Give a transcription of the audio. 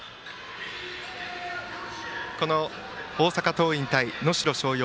この大阪桐蔭対能代松陽。